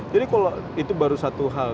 jadi kalau itu baru satu hal